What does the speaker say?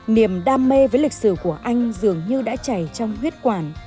niềm đam mê với lịch sử của anh dường như đã chảy trong huyết quản